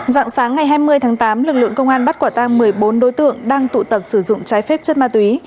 dạng sáng ngày hai mươi tháng tám lực lượng công an bắt quả tang một mươi bốn đối tượng đang tụ tập sử dụng trái phép chất ma túy